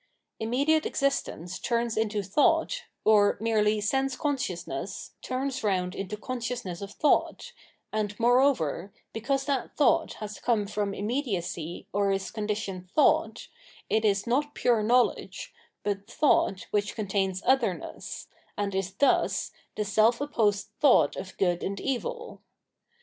Immediate existence turns into thought, or merely sense consciousness turns round into conscious ness of thought; and, moreover, because that thought has come jfrom immediacy or is conditioned thought, it is not pure knowledge, but thought which contains other ness, and is, thus, the self opposed thought of good and evil.